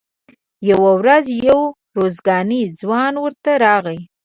یوه ورځ یو ارزګانی ځوان ورته راغی.